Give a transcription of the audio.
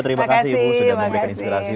terima kasih ibu sudah memberikan inspirasi